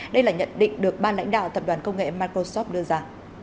đây là nhận định được ban lãnh đạo tập đoàn công nghệ microsoft đưa ra